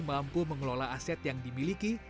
mampu mengelola aset yang dimiliki